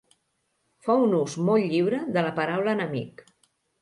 Fa un ús molt lliure de la paraula enemic.